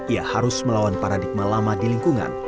ia harus melawan paradigma lama di lingkungan